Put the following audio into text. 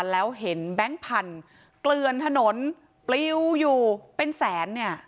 แล้วเห็นแบงค์พันธุ์เกลือนถนนปลิวอยู่เป็นแสนเนี่ย